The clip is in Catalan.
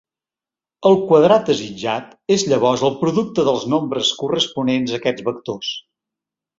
El quadrat desitjat és llavors el producte dels nombres corresponents a aquests vectors.